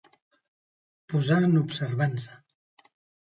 Posar en observança.